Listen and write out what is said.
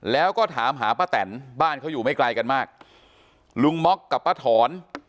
แล้วก็ถามหาป้าแตนบ้านเขาอยู่ไม่ไกลกันมากลุงม็อกกับป้าถอน